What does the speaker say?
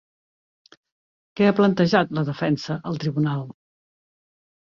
Què ha plantejat la defensa al tribunal?